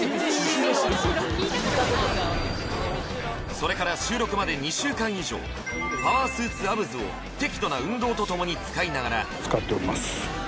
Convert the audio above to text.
それから収録まで２週間以上パワースーツアブズを適度な運動とともに使いながら使っております